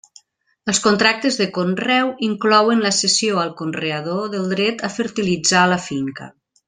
Els contractes de conreu inclouen la cessió al conreador del dret a fertilitzar la finca.